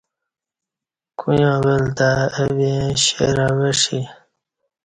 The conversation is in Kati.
کویاں ول تہ اہ ویں شیر اوہ ݜی